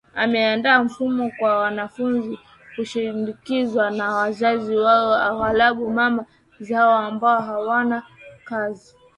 Ameandaa mfumo kwa wanafunzi kusindikizwa na wazazi wao aghlabu mama zao ambao hawana kazi